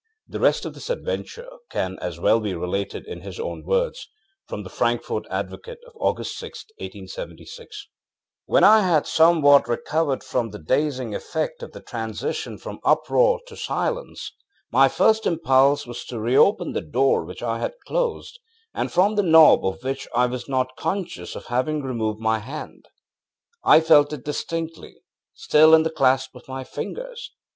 The rest of this adventure can as well be related in his own words, from the Frankfort Advocate of August 6, 1876: ŌĆ£When I had somewhat recovered from the dazing effect of the transition from uproar to silence, my first impulse was to reopen the door which I had closed, and from the knob of which I was not conscious of having removed my hand; I felt it distinctly, still in the clasp of my fingers.